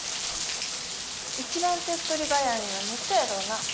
一番手っ取り早いんはネットやろうな。